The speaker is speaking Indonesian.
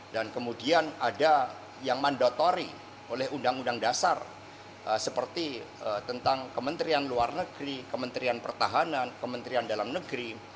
dan kemudian ada yang mandatori oleh undang undang dasar seperti tentang kementerian luar negeri kementerian pertahanan kementerian dalam negeri